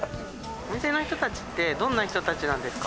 お店の人たちって、どんな人たちなんですか？